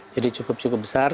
jadi cukup cukup besar